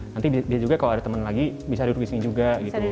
nanti dia juga kalau ada teman lagi bisa duduk di sini juga gitu